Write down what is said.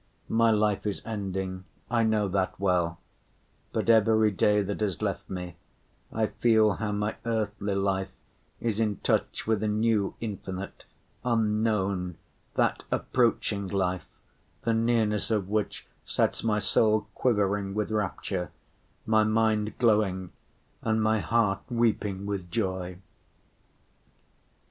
My life is ending, I know that well, but every day that is left me I feel how my earthly life is in touch with a new infinite, unknown, that approaching life, the nearness of which sets my soul quivering with rapture, my mind glowing and my heart weeping with joy.